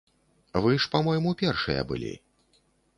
Вы ж па-мойму першыя былі.